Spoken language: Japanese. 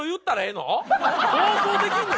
放送できるの？